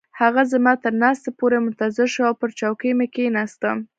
هغه زما تر ناستې پورې منتظر شو او پر چوکۍ مې کښیناستم.